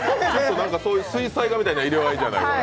水彩画みたいな色合いじゃないですか。